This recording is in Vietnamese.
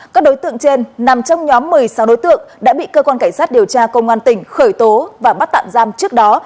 các đối tượng trên nằm trong nhóm một mươi sáu đối tượng đã bị cơ quan cảnh sát điều tra công an tỉnh khởi tố và bắt tạm giam trước đó